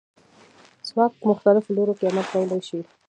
ځواک په مختلفو لورو کې عمل کولی شي.